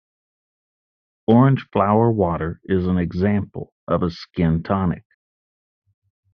Orange flower water is an example of a skin tonic.